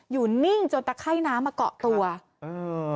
อยู่นิ่งจนตะไข้น้ำมาเกาะตัวอืม